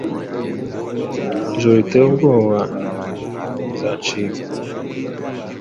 Ijoro riteye ubwoba rizacika.